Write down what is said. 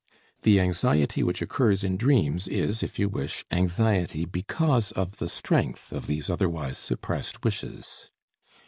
The anxiety which occurs in dreams is, if you wish, anxiety because of the strength of these otherwise suppressed wishes.